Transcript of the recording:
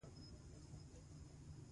د ټکنالوجۍ پرمختګ د علم نتیجه ده.